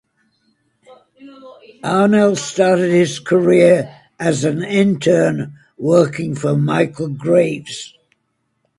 Arnell started his career as an intern working for Michael Graves.